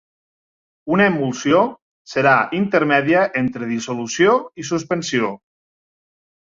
Una emulsió serà intermèdia entre dissolució i suspensió.